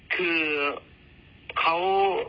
คือเขา